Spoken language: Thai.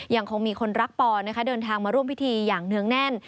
ยังคงมีคนรักปอนนะคะเดินทางมาร่วมพิธีอย่างเนื้องแน่น